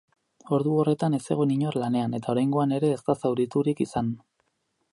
Ordu horretan ez zegoen inor lanean eta oraingoan ere ez da zauriturik izan.